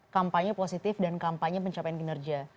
kampanye positif dan kampanye pencapaian kinerja